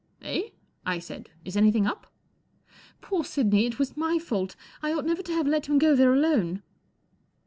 *• Eh ?" 1 said. Is anything up ?" 44 Poor Sidney—it was my lault—I ought never to have let him go there alone."